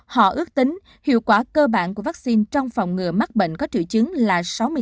họ ước tính hiệu quả cơ bản của vaccine trong phòng ngừa mắc bệnh có triệu chứng là sáu mươi chín